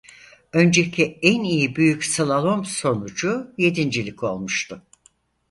Önceki en iyi büyük slalom sonucu yedincilik olmuştu.